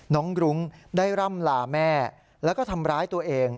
น้องรุ้งได้ร่ำลาแม่แล้วก็ทำร้ายตัวเอง